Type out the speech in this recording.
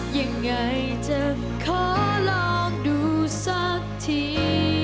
ยังไงจะขอลองดูสักที